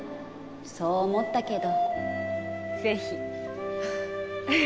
そう思ったけど